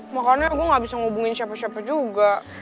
makanya gua gak bisa ngubungin siapa siapa juga